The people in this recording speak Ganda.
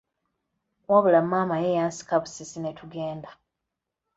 Wabula maama ye yansikabusisi ne tugenda.